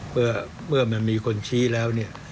เพื่อเมื่อมันมีคนชี้แล้ว